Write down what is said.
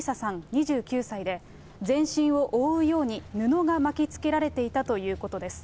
２９歳で、全身を覆うように布が巻きつけられていたということです。